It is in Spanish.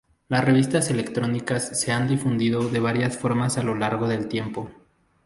Las revistas electrónicas se han difundido de varias formas a lo largo del tiempo.